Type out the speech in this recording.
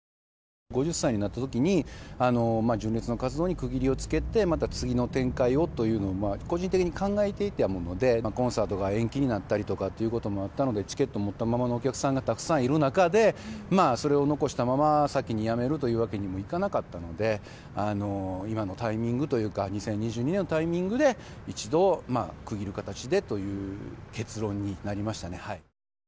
５０歳になった時に純烈の活動に区切りをつけてまた次の展開をというのは個人的に考えていたのでコンサートが延期になったりとかということもあったのでチケット持ったままのお客さんがたくさんいる中でそれを残したまま先にやめるというわけにもいかなかったので今のタイミングというか２０２２年のタイミングで一度区切る形でという結論になりました。